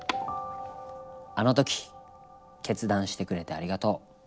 「あの時決断してくれてありがとう！！